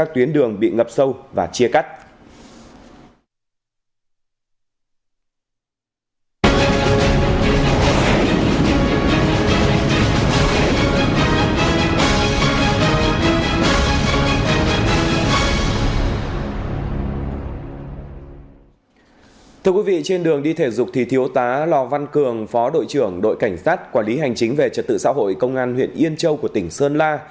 quý vị trên đường đi thể dục thì thiếu tá lò văn cường phó đội trưởng đội cảnh sát quản lý hành chính về trật tự xã hội công an huyện yên châu của tỉnh sơn la